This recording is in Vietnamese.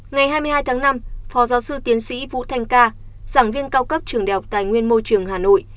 ngày hai mươi hai tháng năm phó giáo sư tiến sĩ vũ thanh ca giảng viên cao cấp trường đại học tài nguyên môi trường hà nội